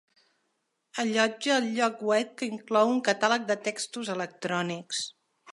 Allotja el lloc web, que inclou un catàleg de textos electrònics.